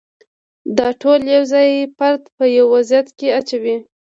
دا ټول یو ځای فرد په یو وضعیت کې اچوي.